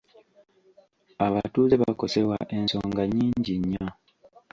Abatuuze bakosebwa ensonga nnyingi nnyo.